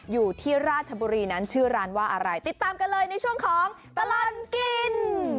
อยู่ที่ราชบุรีนั้นชื่อร้านว่าอะไรติดตามกันเลยในช่วงของตลอดกิน